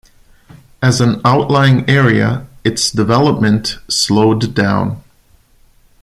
As an outlying area its development slowed down.